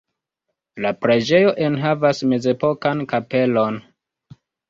La preĝejo enhavas mezepokan kapelon.